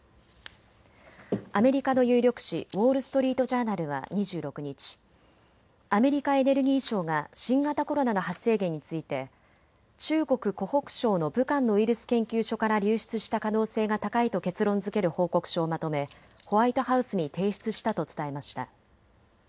アメリカの有力紙、ウォール・ストリート・ジャーナルは２６日、アメリカ・エネルギー省が新型コロナの発生源について中国・湖北省の武漢のウイルス研究所から流出した可能性が高いと結論づける報告書をまとめホワイトハウスに提出したと伝えました。